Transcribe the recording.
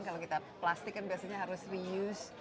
kalau kita plastik kan biasanya harus reuse